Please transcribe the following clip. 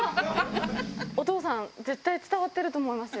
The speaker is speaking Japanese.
お父さん、絶対伝わってると思いますよ。